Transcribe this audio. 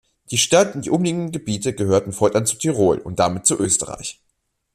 Die Stadt und die umliegenden Gebiete gehörten fortan zu Tirol und damit zu Österreich.